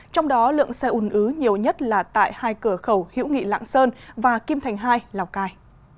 trong đó lượng xe ùn ứ nhiều nhất là tại hai cửa khẩu hiễu nghị lạng sơn và kim thành hai lào cai